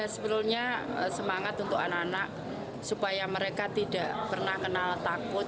sebenarnya semangat untuk anak anak supaya mereka tidak pernah kenal takut